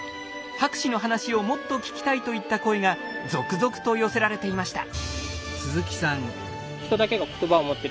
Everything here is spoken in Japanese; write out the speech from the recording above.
「博士の話をもっと聞きたい」といった声が続々と寄せられていました。